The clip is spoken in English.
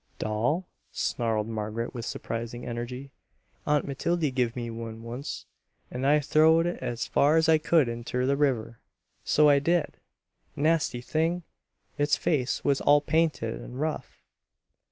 "Doll?" snarled Margaret with surprising energy. "A'nt Matildy give me one once't an' I throwed it as far as I could inter the river, so I did! Nasty thing! Its face was all painted and rough."